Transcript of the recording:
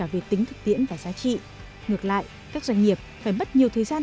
về tính thực tiễn và giá trị ngược lại các doanh nghiệp phải mất nhiều thời gian